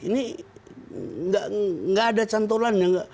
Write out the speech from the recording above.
ini nggak ada cantolannya